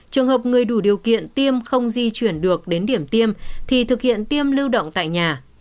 trường hợp người đủ điều kiện tiêm không di chuyển được đến điểm tiêm thì thực hiện tiêm lưu động tại nhà